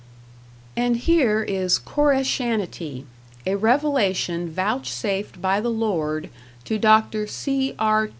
And here is Koreshanity, a revelation vouchsafed by the Lord to Dr. C.R.